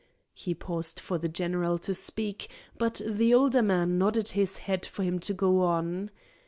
He paused for the general to speak, but the older man nodded his head for him to go on.